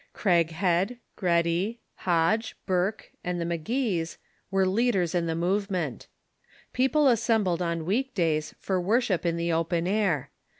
Craighead, Gready, Hoge, Burke, and the McGees were leaders in the movement. People assembled on week days for worship in the open air.